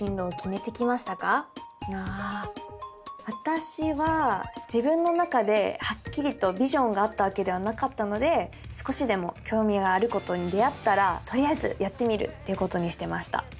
あ私は自分の中ではっきりとビジョンがあったわけではなかったので少しでも興味があることに出会ったらとりあえずやってみるってことにしてました。